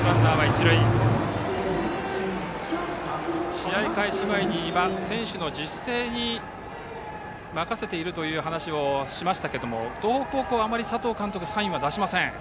試合開始前には選手の自主性に任せているという話をしましたが東北高校の佐藤監督はあまりサインは出しません。